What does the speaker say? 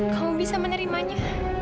kamu bisa menerimanya